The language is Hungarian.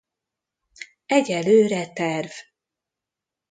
Egyelőre terv.